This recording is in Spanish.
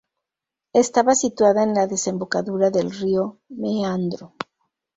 Estaba situada en la desembocadura del río Meandro.